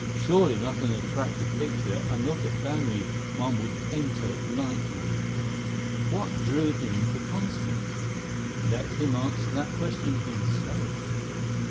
Surely not an attractive picture and not a family one would enter lightly. What drew him to Constance? Let him answer that question himself.